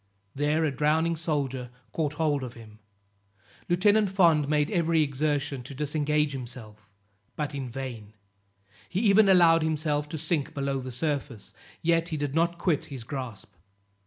There a drowning soldier caught hold of him. Lieutenant Fond made every exertion to disengage himself, but in vain; he even allowed himself to sink below the surface, yet he did not quit his grasp.